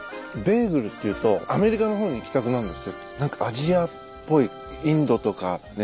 ベーグルっていうとアメリカの方に行きたくなるんですけど何かアジアっぽいインドとかネパールとかね